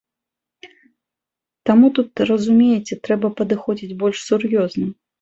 Таму тут, разумееце, трэба падыходзіць больш сур'ёзна.